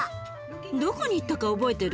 どこに行ったか覚えてる？